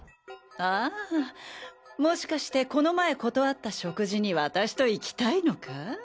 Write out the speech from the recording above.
ああもしかしてこの前断った食事に私と行きたいのか？